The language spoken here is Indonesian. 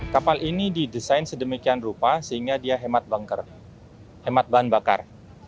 kapal ini didesain sedemikian rupa sehingga dia hemat bahan bakar